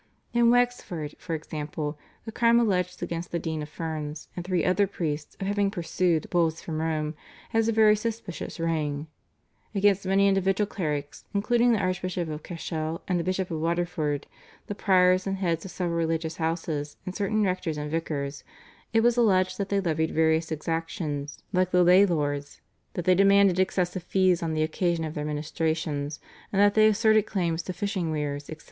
In Wexford, for example, the crime alleged against the Dean of Ferns and three other priests of having "pursued" Bulls from Rome has a very suspicious ring. Against many individual clerics, including the Archbishop of Cashel and the Bishop of Waterford, the priors and heads of several religious houses and certain rectors and vicars, it was alleged that they levied various exactions like the lay lords, that they demanded excessive fees on the occasion of their ministrations, and that they asserted claims to fishing weirs, etc.